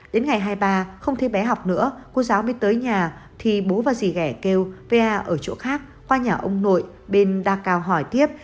đến ngày hai mươi ba không thấy bé học nữa cô giáo mới tới nhà thì bố và dì gẻ kêu par ở chỗ khác qua nhà ông nội bên đa cao hỏi tiếp